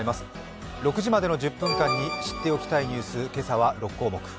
６時までの１０分間に知っておきたいニュース、今朝は６項目。